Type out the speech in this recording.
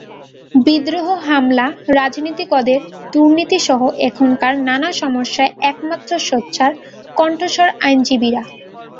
বিদ্রোহ, হামলা, রাজনীতিকদের দুর্নীতিসহ এখানকার নানা সমস্যায় একমাত্র সোচ্চার কণ্ঠস্বর আইনজীবীরা।